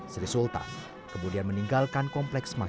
sri sultan kemudian meninggalkan kompleks masjid